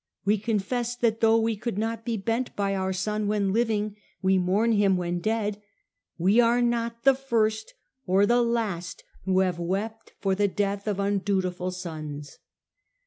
We confess that though we could not be bent by our son when living, we mourn him when dead. We are not the first or the last who have wept for the death of undutiful sons."